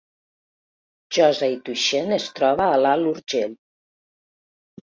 Josa i Tuixén es troba a l’Alt Urgell